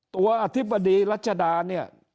อธิบดีรัชดาเนี่ย